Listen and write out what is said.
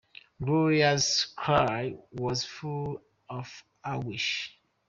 Gloria's cry was full of anguish.